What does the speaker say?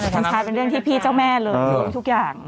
มันกลายเป็นเรื่องที่พี่เจ้าแม่เลยรู้ทุกอย่าง